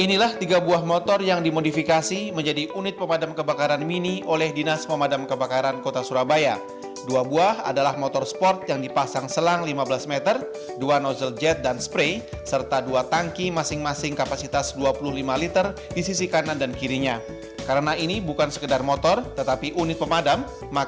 inovasi pemadam kebakaran minimum